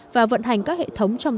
và vận hành các hệ thống trong hệ thống